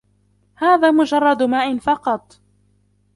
هذا مجرّد ماء فقط.